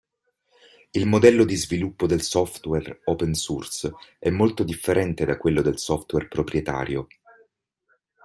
Il modello di sviluppo del software open source è molto differente da quello del software proprietario.